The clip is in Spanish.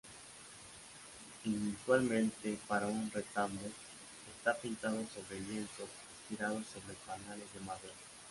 Inusualmente para un retablo, está pintado sobre lienzo estirado sobre paneles de madera.